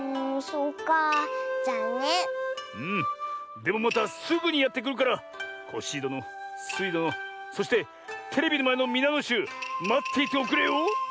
でもまたすぐにやってくるからコッシーどのスイどのそしてテレビのまえのみなのしゅうまっていておくれよ。